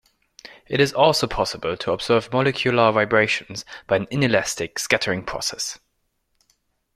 It is also possible to observe molecular vibrations by an inelastic scattering process.